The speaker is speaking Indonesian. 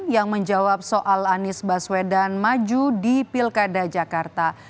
yang menjawab soal anies baswedan maju di pilkada jakarta